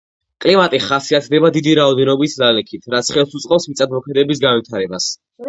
კლიმატი ხასიათდება დიდი რაოდენობით ნალექით, რაც ხელს უწყობს მიწათმოქმედების განვითარებას.